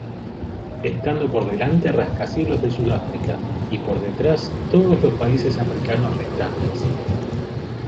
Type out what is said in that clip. Estando por delante rascacielos de Sudáfrica, y por detrás todos los países africanos restantes.